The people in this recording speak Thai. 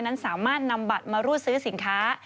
นั้นสามารถนำบัตรมารูดซื้อสินค้า